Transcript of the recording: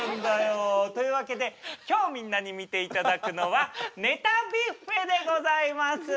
というわけで今日みんなに見ていただくのはネタビュッフェでございます。